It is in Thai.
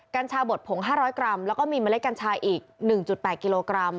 กัญชาบดผง๕๐๐กรัมแล้วก็มีเมล็ดกัญชาอีก๑๘กิโลกรัม